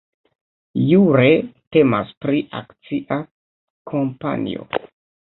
Jure temas pri akcia kompanio.